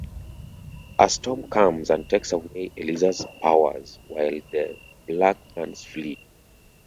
A storm comes and takes away Eliza's powers while the Blackburns flee.